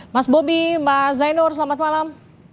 mas bobi mbak zainur selamat malam